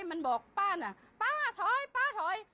มันบอกป้าน่ะป้าถอย